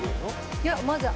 「いやまだ。